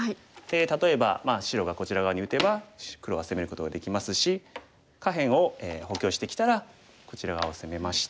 例えば白がこちら側に打てば黒は攻めることができますし下辺を補強してきたらこちら側を攻めまして。